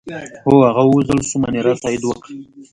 هو، هغه ووژل شو، مانیرا تایید وکړه.